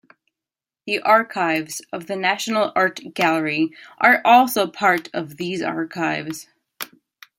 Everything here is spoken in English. The archives of the National Art Gallery are also part of these archives.